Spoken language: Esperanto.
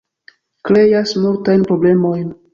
Kreas multajn problemojn